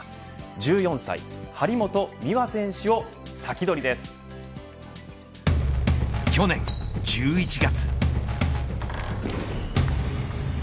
１４歳、張本美和選手を去年１１月。